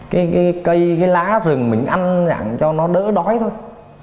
cái cây cái lá rừng mình ăn dặn cho nó đỡ đói thôi